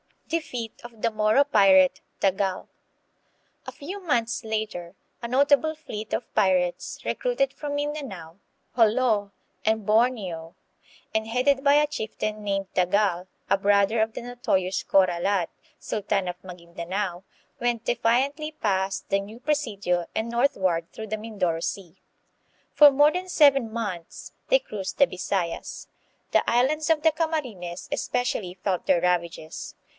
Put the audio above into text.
Defeat of the Moro Pirate Tagal. A. few months later a notable fleet of pirates, recruited from Mindanao, Jolo, and Borneo, and headed by a chieftain named Tagal, a brother of the notorious Corralat, sultan of Magin danao, went defiantly past the new presidio and north ward through the Mindoro Sea. For more than seven months they cruised the Bisayas. The islands of the Camarines especially felt their ravages.